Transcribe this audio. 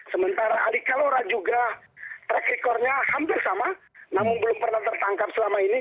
sementara ali kalora juga track recordnya hampir sama namun belum pernah tertangkap selama ini